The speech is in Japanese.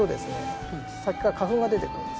先から花粉が出てくるんですよ。